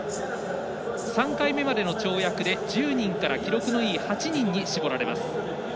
３回目までの跳躍で１０人から記録がいい８人に絞られます。